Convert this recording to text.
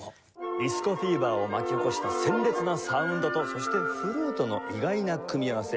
ディスコフィーバーを巻き起こした鮮烈なサウンドとそしてフルートの意外な組み合わせ。